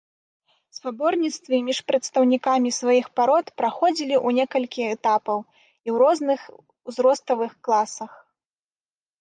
Спаборніцтвы між прадстаўнікамі сваіх парод праходзілі ў некалькі этапаў і ў розных узроставых класах.